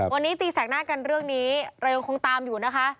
วันนี้ตีแสกหน้ากันเรื่องนี้เรายังคงตามอยู่นะคะ